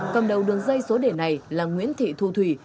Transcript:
cầm đầu đường dây số đề này là nguyễn thị thu thủy